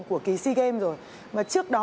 của kỳ sea games rồi mà trước đó